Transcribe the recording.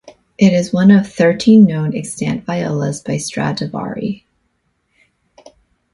It is one of thirteen known extant violas by Stradivari.